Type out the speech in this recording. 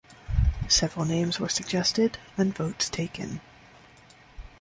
Several names were suggested and votes taken.